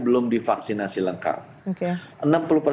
belum divaksinasi lengkap oke